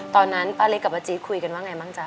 ตอนนั้นป้าเล็กกับป้าจี๊ดคุยกันว่าไงบ้างจ๊